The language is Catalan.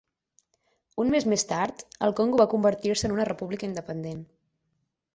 Un mes més tard, el Congo va convertir-se en una república independent.